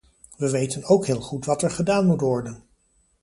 We weten ook heel goed wat er gedaan moet worden.